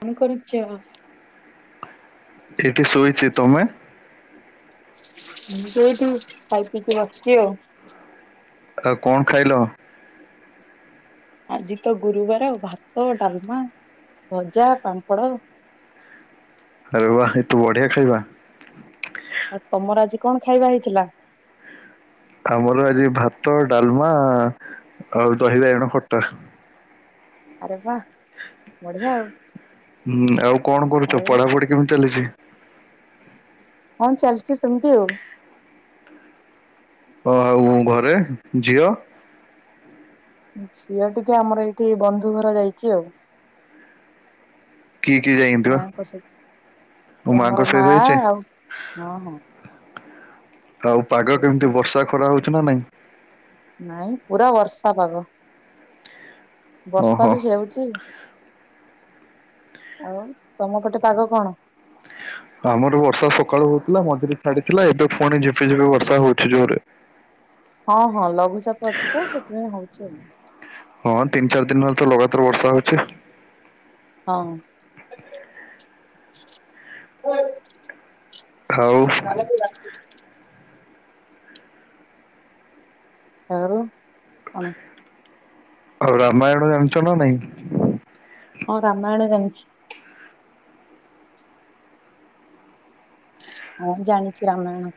କଣ କରୁଛ? ଏଇଠି ଶୋଇଛି, ତମେ? ସେଇଠୁ ଖାଇ ପିଇକି ବସିଛି ଆଉ। ଆଉ କଣ ଖାଇଲ? ଆଜି ତ ଗୁରୁବାର ଭାତ, ଡାଲମା, ଭଜା, ପାମ୍ପଡ ଆରେ ବା ଏ ତୁ ବଢିଆ ଖାଇବା। ଆଉ ତମର ଆଜି କଣ ଖାଇବା ହେଇଥିଲା? ଆମର ଆଜି ଭାତ, ଡାଲମା, ଆଉ ଦହି ବାଇଗଣ ଖଟା। ଆରେ ବାହ ବଢିଆ ଆଉ। ହୁଁ ଆଉ କଣ କରୁଛ? ଆଉ ପଢାପଢି କେମିତି ଚାଲିଛି? ହଁ ଚାଲିଛି ସେମିତି ଆଉ। ଓ ଆଉ ଘରେ, ଝିଅ? ଝିଅ ଟିକେ ଆମର ଏଇଠି ବନ୍ଧୁ ଘର ଯାଇଛି ଆଉ। କି କି ଯାଇଛନ୍ତି ମା ବା ଙ୍କ ସହିତ। ମୋ ସେ ମାଙ୍କ ଆମର ମା ସହିତ ଯାଇଛି ଆଉ ହଁ ହଁ। ଆଉ ପାଗ କେମିତି? ଯାଇଛି। ବର୍ଷା ଖରା ହଉଛି ନା ନାଇଁ? ନାଇଁ ପୁରା ବର୍ଷା ପାଗ। ବର୍ଷା ଓହୋ ବି ହେଉଛି। ଆଉ ତମ ଗଟେ ପାଗ କଣ? ଆମର ବର୍ଷା ସକାଳୁ ହଉଥିଲା, ମଝିରେ ଛାଡିଥିଲା। ଏବେ ପୁଣି ଝିପିଝିପି ବର୍ଷା ହଉଛିି ଜୋରେ। ହଁ, ହଁ ଲଘୁଚାପ ଅଛି ତ ସେଥିପାଇଁ ହଉଛି ଆଉ। ହଁ ତିନି ଚାରି ଦିନ ହେଲା ତ ଲଗାତାର ବର୍ଷା ହଉଛି। ହଁ। ହଉ। [unintelligible] ଆଉ କଣ? ଆଉ ରାମାୟଣ ଜାଣିଛ ନା ନାଇଁ? ହଁ ରାମାୟଣ ଜାଣିଛି। ହଁ ଜାଣିଛି ରାମାୟଣ।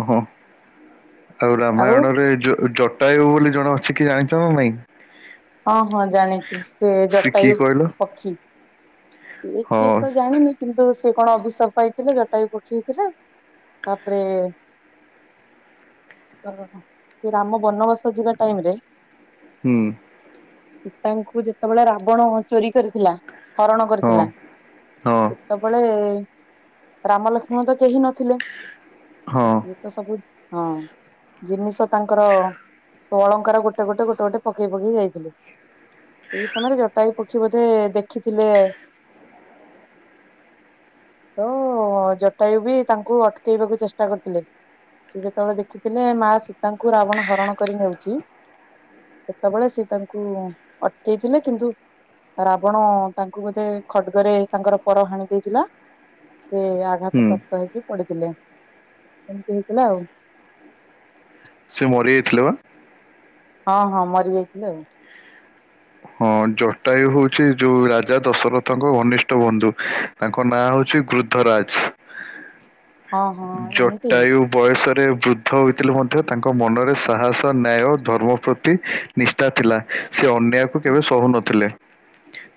ଓହୋ। ଆଉ ରାମାୟଣରେ ଯୋ ଜଟ ବୋଲି ଜଣେ ଅଛି କି ଜାଣିଛ ନା ନାଇଁ? ହଁ, ହଁ ଜାଣିଛି। ସେ ଜଟୟୁ କିଏ କହିଲ ପକ୍ଷୀ ଇ କିଏ ହଁ ତ ଜାଣିନି। କିନ୍ତୁ ସେ କଣ ଅଭିଷପ ପାଇଥିଲେ, ଯଟା ବି ପକ୍ଷେଇ ହେଥିଲେ, ତାପରେ ସେ ରାମ ବନବାସ ଯିବା ଟାଇମ୍ ରେ ହୁଁ। ସିତାଙ୍କୁ ଯେତେବେଳେ ରାବଣ ଚୋରି କରିଥିଲା ହରଣ ହଁ କରିଥିଲା। ହଁ ସେବୁବେଳେ ରାମ ଲକ୍ଷ୍ମୀ ତ କେହି ନଥିଲେ। ହଁ ସିଏ ତ ସବୁ ହଁ ଜିନିଷ ତାଙ୍କର ଅଳଙ୍କାର ଗୋଟେ ଗୋଟେ, ଗୋଟେ ଗୋଟେ ପକେଇ ପକେଇ ଯାଇଥିଲି। ଏଇ ସମୟରେ ଜଟାୟ ପକ୍ଷୀ ବୋଧେ ଦେଖିଥିଲେ ଓ ଜଟାୟୁ ବି ତାଙ୍କୁ ଅଟକେଇବାକୁ ଚେଷ୍ଟା କରିୁଥିଲେ। ସେ ଯେତେବେଳେ ଦେଖିଥିଲେ ମା ସୀତାଙ୍କୁ ରାବଣ ହରଣ କରି ନେଉଛି ସେତେବେଳେ ସିଏ ତାଙ୍କୁ ଅଟକେଇଥିଲେ। କିନ୍ତୁ ରାବଣ ତାଙ୍କୁ ବୋଧେ ଖଡ୍ଗରେ ତାଙ୍କର ପର ହାଣି ଦେଇଥିଲା। ସେ ଆଘାତ ହୁଁ ପ୍ରାପ୍ତ ହେଇକି ପଡିଥିଲେ ସେମିତି ହେଇଥିଲା ଆଉ। ସେ ମରିଯାଇଥିଲେ ବା? ହଁ ହଁ ମରି ଯାଇଥିଲେ ଆଉ। ହଁ ଜଟାୟୁ ହଉଛି ଯୋଉ ରାଜା ଦଶରଥଙ୍କ ଘନିଷ୍ଟ ବନ୍ଧୁ। ତାଙ୍କ ନାଁ ହଉଛି ଗୃତରାଜ। ଆଉ ହଁ ହଁ ଏମିତି ଜଟାୟୁ ବୟସରେ ବୃଦ୍ଧ ହୋଇଥିଲେ ମଧ୍ୟ ତାଙ୍କ ମନରେ ସାହସ, ନ୍ୟାୟ, ଧର୍ମ ପ୍ରତି- ନିଷ୍ଠା ଥିଲା ସେ ଅନ୍ୟାୟକୁ କେବେ ସହହୁନଥିଲେ।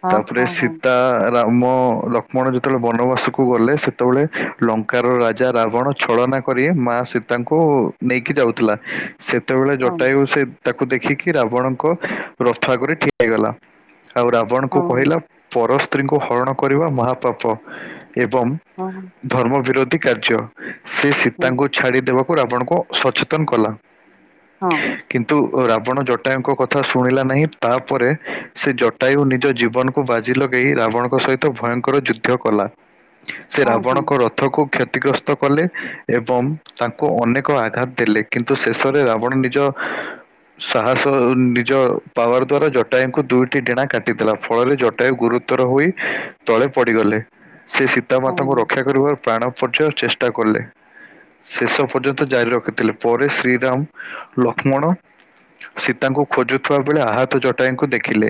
ହଁ ତାପରେ ହଁ ହଁ ସୀତା ରାମ ଲକ୍ଷ୍ମଣ ଯେତେବେଳେ ବନବାସକୁ ଗଲେ ସେତେବେଳେ ଲଙ୍କାର ରାଜା ରାବଣ ଛଳନା କରି ମା ସୀତାଙ୍କୁ ନେଇକି ଯାଉଥିଲା। ସେତେବେଳେ ହଁ ଜଟାୁୟୁ ସେ ତାକୁ ଦେଖିକି ରାବଣଙ୍କ ରଥ ଆଗରି ଠି ହେଇଗଲା ଆଉ ରାବଣ କ ହଁ କହିଲା ପରସ୍ତ୍ରୀଙ୍କୁ ହରଣ କରିବା ମହାପାପ। ଏବଂ ହଁ ହଁ। ଧର୍ମ ବିରୋଧୀ କାର୍ଯ୍ୟ ସେ ହଁ ସୀତାଙ୍କୁ ଛାଡିଦବାକୁ ଆପଣଙ୍କୁ ସଚେତନ କଲା। ହଁ କିନ୍ତୁ ରାବଣ ଜଟାୟୁ ଙ୍କ କଥା ଶୁଣିଲା ନାହିଁ। ତା ପରେ ସେ ଜଟାୟୁ ନିଜ ଜୀବନକୁ ବାଜି ଲଗେଇ ରାବଣଙ୍କ ସହିତ ଭୟଙ୍କର ଯୁଦ୍ଧ କଲା। ସେ ହଁ ରାବଣଙ୍କ ହଁ ର ଥ କୁ କ୍ଷତିଗ୍ରସ୍ତ କଲେ ଏବଂ ତାଙ୍କୁ ଅନେକ ଆଘାତ ଦେଲେ କି ନ୍ତୁ ଶେଷରେ ରାବଣ ନିଜ ସାହସ ନିଜ ପାୱାର ଦ୍ଵାରା ଜ ଜଟାୟୁଙ୍କୁ ଦୁଇଟି ଡଣା କାଟିଦେଥିଲା ଫଳରେ ଜଟାୟୁ ଗୁରୁତର ହୋଇ ତଳେ ପଡିଗଲେ। ସେ ହଁ ସୀତାମାତାଙ୍କୁ ରକ୍ଷା କରିବାର ପ୍ରାଣ ପର୍ଯୟ ଚେଷ୍ଟା କଲେ। ଶେଷ ପର୍ଯ୍ୟନ୍ତ ଜାରି ରଖିଥିଲେ ପରେ ଶ୍ରୀରାମ ଲକ୍ଷ୍ମଣ ସୀତାଙ୍କୁ ଖୋଜୁଥିବା ବେଳେ ଆହତ ଜଟାୟୁଙ୍କୁ ଦେଖିଲେ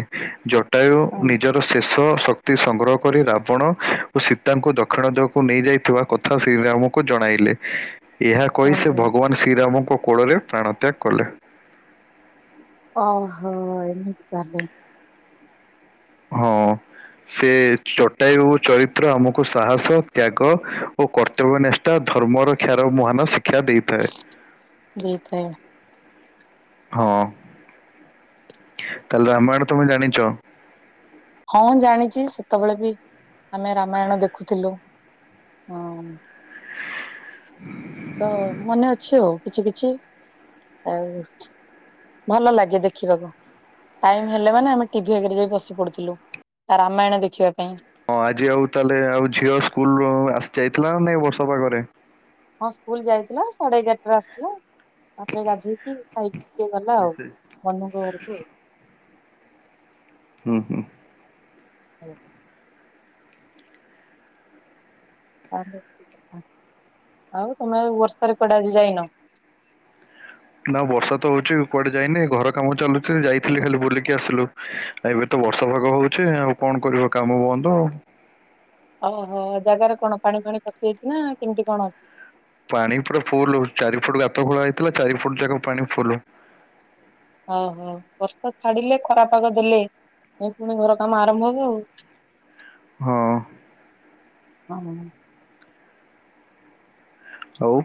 ଜଟାୟୁ ହଁ ନିଜର ଶେଷ ସ ଶକ୍ତି ସଂଗ୍ରହ କରି ରାବଣ ଓ ସୀତାଙ୍କୁ ଦକ୍ଷିଣ ଦିଗକୁ ନେଇଯାଇଥିବା କ ଥା ଶ୍ରୀରାମକୁ ଜଣାଇଲେ। ଏହା କହି ସେ ଓହୋ ଭଗବାନ ଶ୍ରୀରାମଙ୍କ କୋଳରେ ପ୍ରାଣତ୍ୟାଗ କଲେ। ଓହୋ ଏମିତି ତାହଲେ। ହଁ। ସେ ଚଟାୟୁ ଓ ଚରିତ୍ର ଆମକୁ ସାହସ ତ୍ୟାଗ ଓ କର୍ତ୍ତବ୍ୟ ନେ ତା ଧର୍ମରକ୍ଷାର ମହାନ ଶିକ୍ଷା ଦେଇଥାଏ। ଦେଇଥାଏ। ହଁ ତାହେଲେ ରାମାୟଣ ତମେ ଜାଣିଛ? ହଁ ଜାଣିଛି ସେତେବେଳେ ବି ଆମେ ରାମାୟଣ ଦେଖୁଥିଲୁ। ହଁ। ହୁଁ ତ ମନେ ଅଛି ଆଉ କିଛି କିଛି ଆଉ ଭଲ ଲାଗେ ଦେଖିବାକୁ। ଟାଇମ ହେଲେ ମାନେ ଆମେ ଟିଭି ଆଗରେ ଯାଇ ବସି ପଡୁଥିଲୁ ରାମାୟଣ ଦେଖିବା ପାଇଁ। ହଁ ଆଜି ଆଉ ତାହେଲେ ଆଉ ଝିଅ ସ୍କୁଲ ଆସି ଯାଇଥିଲା ନାଇ ବର୍ଷା ପାଗରେ। ହଁ ସ୍କୁଲ ଯାଇଥିଲା ସାଢେ ଏଗାରଟାରେ ଆସିଲ ତାପରେ ଗାଧୋଇ ଖାଇକି ଟିକେ ଗଲା ଆଉ ବନ୍ଧୁଙ୍କ ଘରକୁ ଆଉ। ହୁଁ-ହୁଁ। [inaudible] ଆଉ ତମେ ଆଉ ବର୍ଷାରେ କୁଆଡେ ଆଜି ଯାଇନ? ନା ବର୍ଷା ତ ହଉଚି କୁଆଡେ ଯାଇନି ଘର କାମ ଚାଲୁଛି ଯାଇଥିଲି ଖାଲି ବୁଲିକି ଆସିଲୁ। ଏବେ ତ ବର୍ଷା ପାଗ ହଉଛି ଆଉ କଣ କରିବ କାମ ବନ୍ଦ ଆଉ। ଓହୋ ଜାଗାରେ କଣ ପାଣି ଫାଣି ପସିଯାଇଛି ନା କେମ୍ତି କଣ? ପାଣି ପୁରା ଫୁଲୁ ଚାରି ଫୁଟ୍ ଗାତ ଖୋଳା ହେଇଥିଲା ଚାରି ଫୁଟ୍ ଯାକ ପାଣି ଫୁଲୁ। ଓହୋ ବର୍ଷା ଛାଡିଲେ ଖରାପାଗ ଦେଲେ ଏ ପୁଣି ଘର କାମ ଆରମ୍ଭ ହବ ଆଉ। ହଁ। [unintelligible] ଆଉ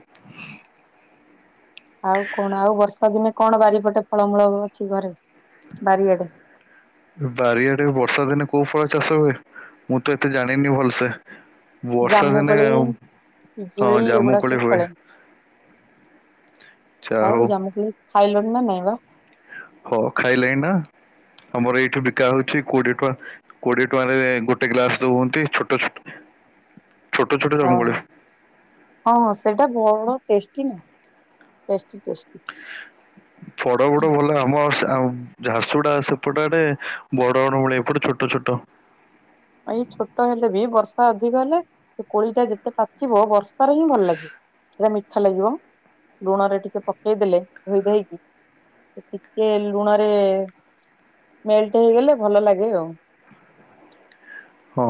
ଆଉ କଣ ଆଉ ବର୍ଷାଦିନେ କଣ ବାରିପଟେ ଫଳମୂଳ ଅଛି ଘରେ ବାରିଆଡେ? ବାରିଆଡେ ବର୍ଷାଦିନେ କୋଉ ଫଳ ଚାଷ ହୁଏ ମୁଁ ତ ଏତେ ଜାଣିନି ଭଲସେ। ବର୍ଷା ଦିନେ ଜାମୁକୋଳି, ପିଜୁଳି ହଁ ଜାମୁ ଏଗୁଡା କୋଳି ସବୁ ହୁଏ। ଫଳେ। ଯା ଆଉ ହଉ ଜାମୁକୋଳି ଖାଇଲଣି ନା ନାଇଁ ବା? ହଁ ଖାଇଲେଣି ନା ଆମର ଏଇଠି ବିକା ହଉଛି କୋଡିଏ ଟଙ୍କା। କୋଡିଏ ଟଙ୍କାରେ ଗୋଟେ ଗ୍ଲାସ୍ ଦଉହନ୍ତି ଛୋଟ-ଛୋଟ। ହଁ ଅ। ହଁଁ ସେଇଟା ଭଲ ଟେଷ୍ଟି ନା ଟେଷ୍ଟି-ଟେଷ୍ଟି। ଫଡ ଫଡ ଭଲ ଆମ ଝାରସୁଗୁଡ଼ା ସେପଟ ଆଡେ ବଡ-ବଡ଼ କୋଳି ଏପଟେ ଛୋଟ-ଛୋଟ। ଏଇ ଛୋଟ ହେଲେ ବି ବର୍ଷା ଅଧିକ ହେଲେ ସେ କୋଳିଟା ଯେତେ ପାଚିବ ବର୍ଷାରେ ହିଁ ଭଲ ଲାଗେ। ସେଇଟା ମିଠା ଲାଗିବ ଲୁଣରେ ଟିକେ ପକେଇଦେଲେ ଧୋଇ ଧାଇକି। ସେ ଟିକେ ଲୁଣରେ ମେଲ୍ଟ୍ ହେଇଗଲେ ଭଲ ଲାଗେ ଆଉ। ହଁ।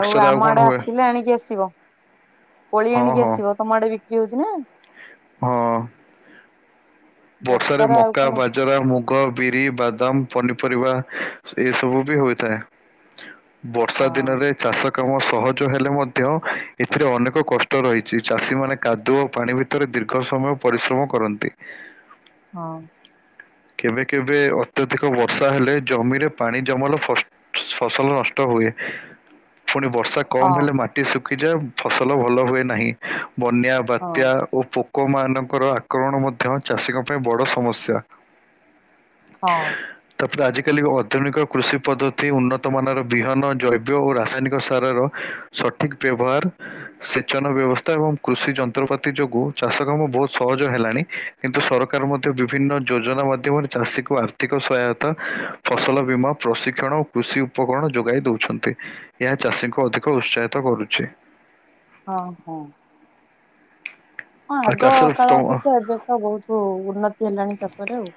ଆଉ ଆମ କଣ ଆଡେ ହୁଏ ଆସିଲେ ଆଣିକି ଆସିବ, କୋଳି ହଁ ଆଣିକି ହଁ ଆସିବ ତମ ଆଡେ ବିକ୍ରି ହଉଛି ନା। ହଁ। ବର୍ଷାରେ ବର୍ଷାର ଆଉ ମକା କଣ ବା ଜରା, ମୁଗ, ବିରି, ବାଦାମ, ପନିପରିବା ଏସବୁ ବି ହୋଇଥାଏ। ବର୍ଷା ହଁ ଦିନରେ ଚାଷ କାମ ସହଜ ହେଲେ ମଧ୍ୟ ଏଥିରେ ଅନେକ କଷ୍ଟ ରହିଚି, ଚାଷୀ ମାନେ କାଦୁଅ ପାଣି ଭି ତରେ ଦୀର୍ଘ ସମୟ ପରିଶ୍ରମ କରନ୍ତି। ହଁ। କେବେ କେବେ ଅତ୍ୟଧିକ ବର୍ଷା ହେଲେ ଜମିରେ ପାଣି ଜମଲ [unintelligible] ଫସଲ ନଷ୍ଟ ହୁଏ, ଫୁଣି ବର୍ଷା କମ୍ ହଁ ହେଲେ ମାଟି ଶୁଖିଯାଏ ଫସଲ ଭଲ ହୁଏ ନାହିଁ, ବନ୍ୟା ହଁ ବାତ୍ୟା ଓ ପୋକମାନଙ୍କର ଆକ୍ରମଣ ମଧ୍ୟ ଚାଷୀଙ୍କ ପାଇଁ ବଡ଼ ସମସ୍ୟା। ହଁ। ତାପରେ ଆଜିକାଲି ଆଧୁନିକ କୃଷି ପଦ୍ଧତି ଉନ୍ନତ ମାନର ବିହନ ଜୈବ ଓ ରାସାୟନିକ ସାରର ସଠିକ୍ ବ୍ୟବହାର ସେଚନ ବ୍ୟବସ୍ଥା ଏବଂ କୃଷି ଯନ୍ତ୍ରପାତି ଯୋଗୁ ଚାଷ କାମ ବହୁତ୍ ସହଜ ହେଲାଣି। କିନ୍ତୁ ସରକାର୍ ମଧ୍ୟ ବିଭିନ୍ନ ଯୋଜନା ମାଧ୍ୟମରେ ଚାଷୀକୁ ଆର୍ଥିକ ସହାୟତା ଫସଲ ବୀମା ପ୍ରଶିକ୍ଷଣ କୃଷି ଉପକରଣ ଯୋଗାଇ ଦଉଛନ୍ତି, ଏହା ଚାଷୀଙ୍କୁ ଅଧିକ ଉତ୍ସାହିତ କରୁଛି। ହଁ-ହଁ। ହଁ ଆଉ ଚାଷର ଆଗକାଳ ତମ ଅପେକ୍ଷା ଏବେ ତ ବହୁତୁ ଉନ୍ନତି ହେଲାଣି ଚାଷରେ ଆଉ।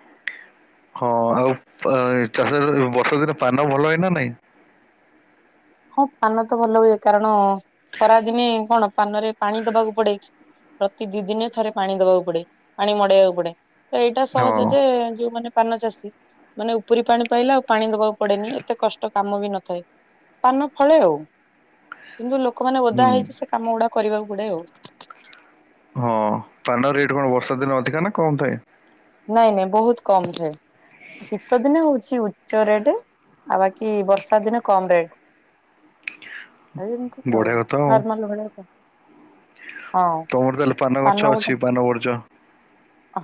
ହଁ ଆଉ ଚାଷରେ ବର୍ଷାଦିନେ ପାନ ଭଲ ହଏ ନା ନାଇଁ? ହଁ ପାନ ତ ଭଲ ହୁଏ, କାରଣ ଖରାଦିନେ କଣ ପାନରେ ପାଣି ଦବାକୁ ପଡେ ପ୍ରତି ଦି ଦିନେ ଥରେ ପାଣି ଦବାକୁ ପଡେ ପାଣି ମଡେଇବାକୁ ପଡେ। ତ ଏଇଟା ହଁ ସହଜ ଯେ ଯୋଉମାନେ ପାନ ଚାଷୀ ମାନେ ଉପରି ପାଣି ପାଇଲେ ଆଉ ପାଣି ଦବାକୁ ପଡେନି ଏତେ କଷ୍ଟ କାମ ବି ନଥାଏ। ପାନ ଫଳେ ଆଉ କିନ୍ତୁ ଲୋକମାନେ ଓଦା ହୁଁ ହେଇକ ସେ କାମ ଗୁଡା କରିବାକୁ ପଡେ ଆଉ। ହଁ ପାନ ରେଟ୍ କଣ ବର୍ଷା ଦିନ ଅଧିକା ନା କମ୍ ଥାଏ? ନାଇଁ ନାଇଁ ବହୁତ କମ ଥାଏ ଶୀତ ଦିନେ ହଉଛି ଓ ଚୋରେ ରେଟ୍ ଆଉ ବାକି ବର୍ଷା ଦିନ କମ୍ ରେଟ୍। ଆ ଏମିତି କା ବଢିଆ ଆଉ କଥା ନର୍ମଲ ଭଳିଆ ତ। ତମର ତାହେଲେ ପାନ ଗଛ ଅଛି ପାନ ବର୍ଜ୍ୟ।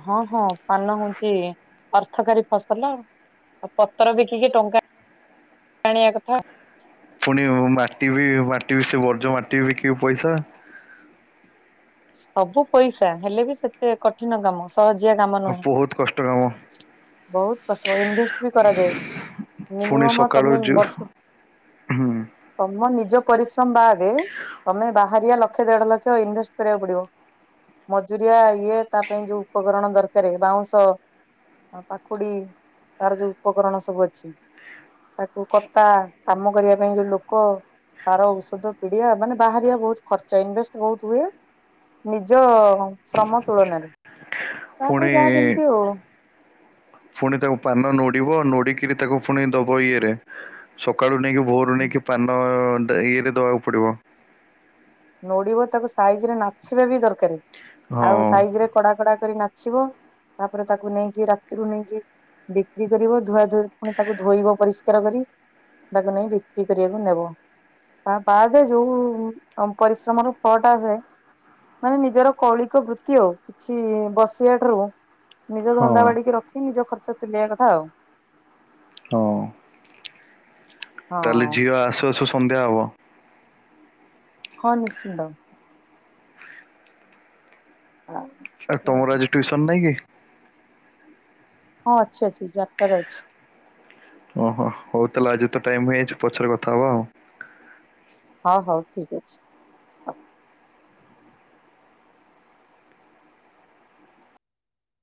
ହଁ ହଁ ପାନ ହୋଉଛି ଅର୍ଥକାରୀ ଫସଲ। ଆଉ ପତର ବିକି କି ଟଙ୍କା ଆଣିବା କଥା ଆଉ। ପୁଣି ମାଟି ବି ମାଟି ବି ସେ ବର୍ଜ ମାଟି ବିକିବ ପଇସା। ସବୁ ପଇସା ହେଲେ ବି ସେତେ କଠିନ କାମ ସେ ସହଜିଆ କାମ ରେ ଆ ବହୁତ କଷ୍ଟ କାମ। ବହୁତ କଷ୍ଟ ଇନଭେଷ୍ଟ ବି କରାଯାଏ ପୁଣି ମିନିମମ ସକାଳୁ ତମେ ଯୁ- ବର୍ଷ। ହୁଁ। ତମ ନିଜ ପରିଶ୍ରମ ବାଦ ତମେ ବାହାରିଆ ଲକ୍ଷ ଦେଢ ଲକ୍ଷ ଇନଭେଷ୍ଟ କରିବାକୁ ପଡିବ ମଜୁରିଆ ଇଏ ତା ପାଇଁ ଯୋଉ ଉପକରଣ ଦରକାର ବାଉଁଶ। ପାଖୁଡି ତାର ଯୋଉ ଉପକରଣ ସବୁ ଅଛି। ତାକୁ କତା କାମ କରିବା ପାଇଁ ଯୋଉ ଲୋକ। ତାର ଔଷଧ ପିଡିଆ ମାନେ ବାହାରିବା ବହୁତ ଖର୍ଚା ଇନଭେଷ୍ଟ ବହୁତ ହୁଏ। ନିଜ ଶ୍ରମ ତୁଳନାରେ। ତାପରେ ପୁଣି ଯାହା ଯେମିତି ଆଉ ପୁଣି ତାକୁ ପାନ ନୋଡିବ ନୋଡିକିରି ତାକୁ ପୁଣି ଦବ ଇଏରେ। ସକାଳୁ ନେଇକି ଭୋରୁ ନେଇକି ପାନ ଇଏରେ ଦବାକୁ ପଡିବ। ନୋଡିବ ତାକୁ ସାଇଜ ରେ ନାଚିବା ବି ଦରକାର ଆଉ ହଁ ସାଇଜ ରେ କଡା ଝଗଡା କରି ନାଚିବ ତାପରେ ତାକୁ ନେଇକି ରାତିରୁ ନେଇକି ବିକ୍ରି କରିବ ଧୁଆ ଧୁଇ ପୁଣି ତାକୁ ଧୋଇବ ପରିଷ୍କାର କରି। ତାକୁ ନେଇ ବିକ୍ରି କରିବାକୁ ନେବ ତା ବାଦ ଯୋଉ ତମ ପରିଶ୍ରମ ର ଫଳଟା ହୁଏ। ମାନେ ନିଜର କୌଳିକ ବୃତ୍ତି ଆଉ କିଛି ବସିବା ଠାରୁ ନିଜ ହଁ ଧନ୍ଦା ବାଡିକି ରଖି ନିଜ ଖର୍ଚ୍ଚ ତୁଲିବା କଥା ଆଉ। ହଁ। ହ। ତାହେଲେ ଝିଅ ଆସୁ ଆସୁ ସନ୍ଧ୍ୟା ହବ। ହଁ ନିଶ୍ଚିନ୍ତ। ହଁ। ଆଉ ତମର ଆଜି ଟୁଇସନ୍ ନାହିଁକି? ହଁ ଅଛି ଅଛି ଯାର୍କା ରେ ଅଛି। ଓହୋ ହଉ ତାହେଲେ ଆଜି ତ ଟାଇମ୍ ହେଇଯାଇଛି ପଛରେ କଥା ହବା ଆଉ। ହଉ ହଉ ଠିକ୍ ଅଛି।